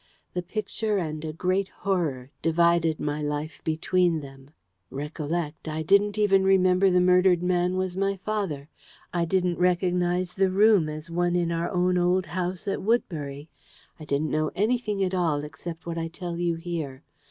The Picture and a great Horror divided my life between them. Recollect, I didn't even remember the murdered man was my father. I didn't recognise the room as one in our own old house at Woodbury. I didn't know anything at all except what I tell you here.